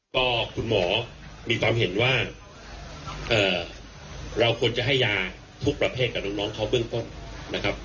ก็คุณหมอมีความเห็นว่าเราควรจะให้ยาทุกประเภทกับน้องเขาเบื้องต้นนะครับ